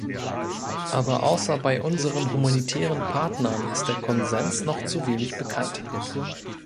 Aber außer bei unseren humanitären Partnern ist der Konsens noch zu wenig bekannt.